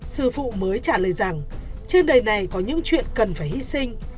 sư phụ mới trả lời rằng trên đầy này có những chuyện cần phải hy sinh